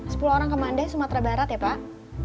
sepuluh orang kemanda di sumatera barat ya pak